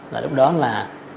và lúc đó là